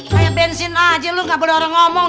kayak bensin aja lu gak boleh orang ngomong